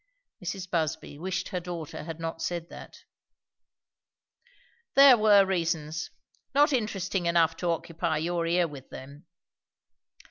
Mrs. Busby wished her daughter had not said that. "There were reasons not interesting enough to occupy your ear with them."